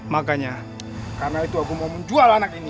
makanya karena itu aku mau menjual anak ini